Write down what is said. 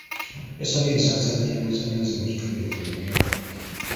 Yasabye ensaasaanya y'amasannyalaze mu kitundu ekolebweeko.